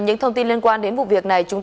những thông tin liên quan đến vụ việc này